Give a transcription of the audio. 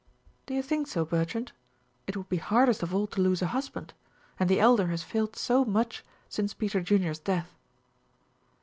"Do you think so, Bertrand? It would be hardest of all to lose a husband, and the Elder has failed so much since Peter Junior's death."